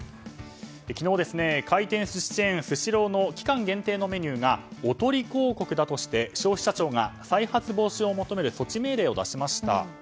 昨日回転すしチェーンスシローの期間限定のメニューがおとり広告だとして消費者庁が再発防止を求める措置命令を出しました。